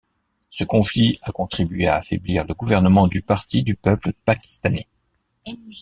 Ce conflit a contribué à affaiblir le gouvernement du Parti du peuple pakistanais.